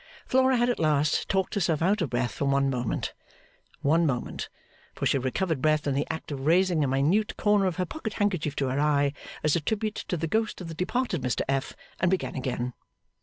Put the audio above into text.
Flora had at last talked herself out of breath for one moment. One moment; for she recovered breath in the act of raising a minute corner of her pocket handkerchief to her eye, as a tribute to the ghost of the departed Mr F., and began again.